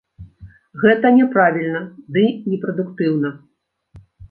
Гэта няправільна ды непрадуктыўна.